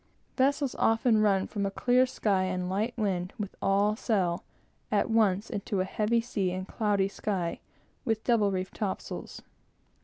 Vessels often run from a clear sky and light wind, with all sail, at once into a heavy sea and cloudy sky, with double reefed topsails.